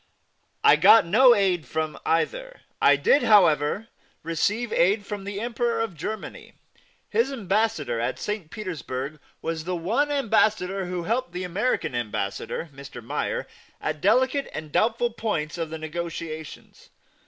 I got no aid from either. I did, however, receive aid from the Emperor of Germany. His Ambassador at St. Petersburg was the one Ambassador who helped the American Ambassador, Mr. Meyer, at delicate and doubtful points of the negotiations.